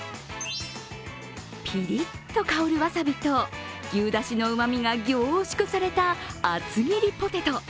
ピリッと香るわさびと牛だしのうまみが凝縮された厚切りポテト。